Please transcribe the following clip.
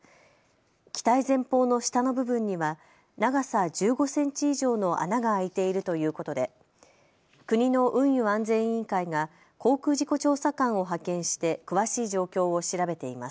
機体前方の下の部分には長さ１５センチ以上の穴が開いているということで国の運輸安全委員会が航空事故調査官を派遣して詳しい状況を調べています。